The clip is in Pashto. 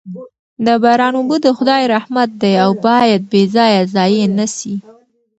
د باران اوبه د خدای رحمت دی او باید بې ځایه ضایع نه سي.